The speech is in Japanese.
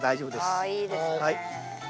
ああいいですね。